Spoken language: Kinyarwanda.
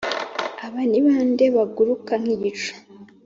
Aba ni bande baguruka nk ‘igicu .